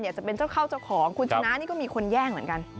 จะเป็นเจ้าเข้าเจ้าของคุณชนะนี่ก็มีคนแย่งเหมือนกัน